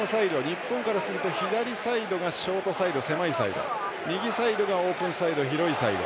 日本からすると左サイドがショートサイド、狭いサイド右サイドがオープンサイド広いサイド。